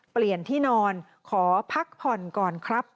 เปลี่ยนที่นอนขอพักผ่อนก่อนครับ